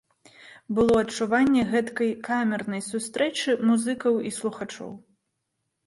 Было адчуванне гэткай камернай сустрэчы музыкаў і слухачоў.